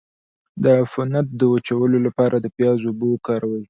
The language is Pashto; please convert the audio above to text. د عفونت د وچولو لپاره د پیاز اوبه وکاروئ